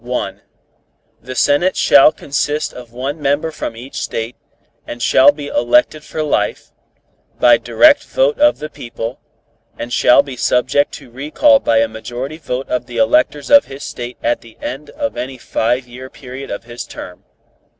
The Senate shall consist of one member from each State, and shall be elected for life, by direct vote of the people, and shall be subject to recall by a majority vote of the electors of his State at the end of any five year period of his term.